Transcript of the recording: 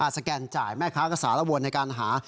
สแกนจ่ายแม่ค้าก็สารวนในการหา